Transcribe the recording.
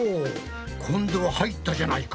今度は入ったじゃないか！